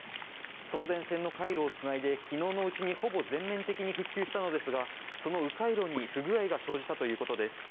送電線の回路を繋いで昨日のうちにほぼ全面的に復旧したのですがそのう回路に不具合が生じたということです。